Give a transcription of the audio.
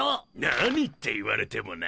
何って言われてもなぁ。